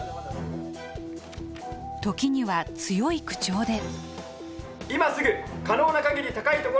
時には強い口調で。